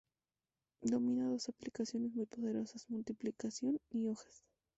Domina dos aplicaciones muy poderosas: 'multiplicación' y 'hojas'.